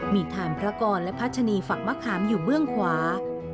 มีฐานพระกรและพัชนีฝักมะขามอยู่เบื้องขวา